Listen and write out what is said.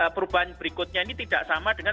perubahan berikutnya ini tidak sama dengan